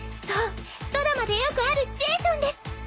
そうドラマでよくあるシチュエーションです